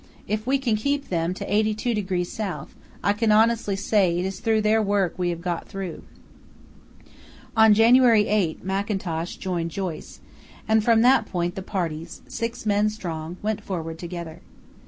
If we can keep them to 82° S. I can honestly say it is through their work we have got through." On January 8 Mackintosh joined Joyce, and from that point the parties, six men strong, went forward together.